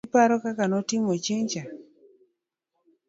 iparo kaka notimo chieng' cha?,